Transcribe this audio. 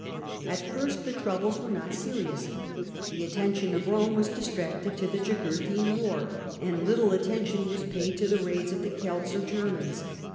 At first the troubles were not serious ; the atten tion of Rome was distracted to the Jugurthine war, and little attention was paid to the raids of the Celts or Germans.